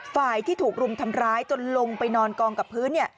ฝ่ายที่ถูกรุมทำร้ายจนลงไปนอนกองกับพื้น